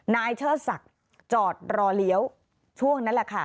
นายเชื่อสักจอดรอเลี้ยวช่วงนั้นแหละค่ะ